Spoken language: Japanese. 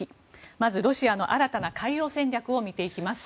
まずロシアの新たな海洋戦略を見ていきます。